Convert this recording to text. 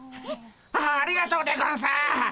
ありがとうでゴンス。